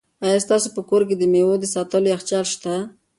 آیا ستاسو په کور کې د مېوو د ساتلو یخچال شته؟